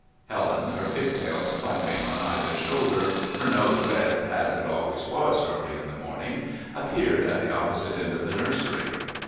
Helen, her pigtails flapping on either shoulder, her nose red, as it always was early in the morning, appeared at the opposite end of the nursery.